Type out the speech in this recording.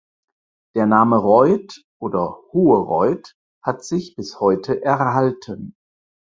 Der Name "Reut" oder "Hohe Reuth" hat sich bis heute erhalten.